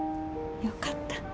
よかった。